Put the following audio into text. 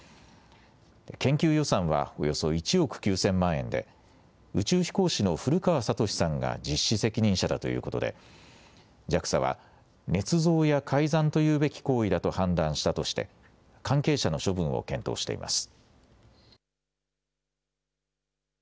研究予算はおよそ１億９０００万円で宇宙飛行士の古川聡さんが実施責任者だということでＪＡＸＡは、ねつ造や改ざんというべき行為だと判断したとして関係者の処分を検討しています。